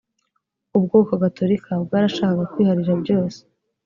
ubwoko gatorika bwarashakaga kwiharira byose